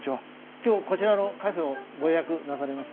今日こちらのカフェをご予約なされました？